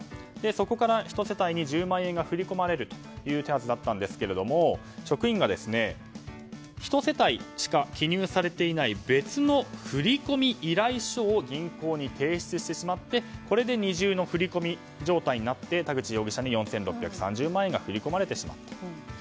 そこから１世帯に１０万円が振り込まれるという手はずだったんですが職員が、１世帯しか記入されていない別の振込依頼書を銀行に提出してしまってこれで二重の振り込み状態になって田口容疑者に４６３０万円が振り込まれてしまったと。